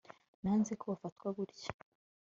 Nanze ko bafatwa gutya